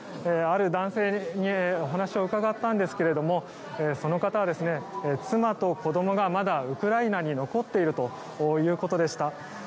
ある男性にお話を伺ったんですがその方は妻と子どもがまだウクライナに残っているということでした。